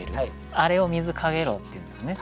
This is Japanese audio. あれを水かげろうっていうんですよね。